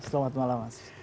selamat malam mas